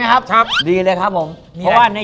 โอ้โหเกลียภาย